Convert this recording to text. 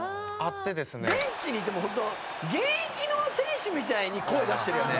ベンチにいても本当現役の選手みたいに声出してるよね。